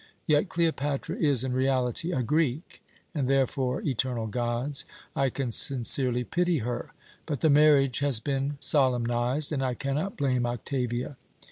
Yet Cleopatra is in reality a Greek, and therefore eternal gods! I can sincerely pity her; but the marriage has been solemnized, and I cannot blame Octavia.